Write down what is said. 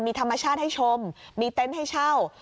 มีธรรมชาติให้ชมมีเต็นต์ให้เช่า